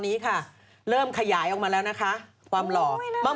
เนี้ยเขาบวชมา